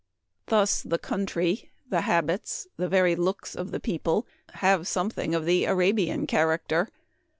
Thus the country, the habits, the very looks of the people, have something of the Arabian character.